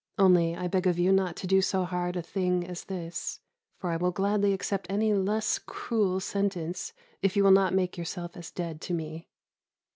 Only I beg of you not to do so hard a thing as this, for I will gladly accept any less cruel sentence if you will not make yourself as dead to me.